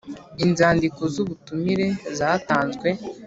Inzandiko z ubutumire zatanzwe